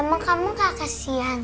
emang kamu gak kesian